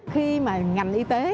khi mà ngành y tế